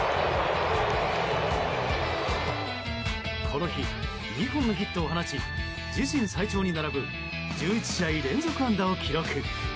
この日、２本のヒットを放ち自身最長に並ぶ１１試合連続安打を記録。